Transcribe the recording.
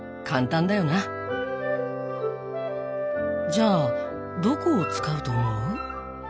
じゃあどこを使うと思う？